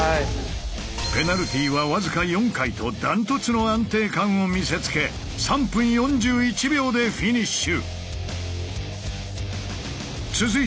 ペナルティは僅か４回とダントツの安定感を見せつけ３分４１秒でフィニッシュ。